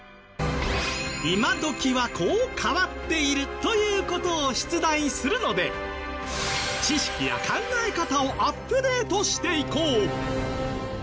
今どきはこう変わっているという事を出題するので知識や考え方をアップデートしていこう！